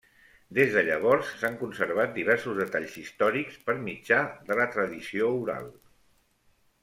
Des de llavors s'han conservat diversos detalls històrics per mitjà de la tradició oral.